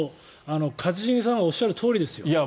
一茂さんがおっしゃるとおりですよ。